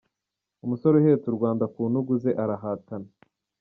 Umusore uhetse u Rwanda ku ntugu ze arahatana.